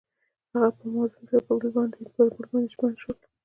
هغوی په موزون زړه کې پر بل باندې ژمن شول.